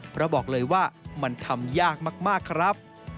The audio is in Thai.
เพราะบอกเลยว่ามันทำยากมากครับ